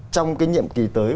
trong cái nhiệm kỳ tới